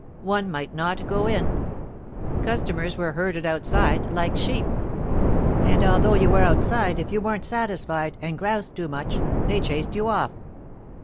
One might not go in; customers were herded outside, like sheep. "And although you were outside, if you weren't satisfied, and groused too much, they chased you off."